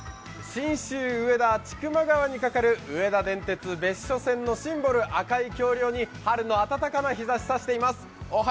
信州・上田、千曲川にかかる上田電鉄別所線のシンボル赤い橋りょうに春の暖かな日ざしさしています。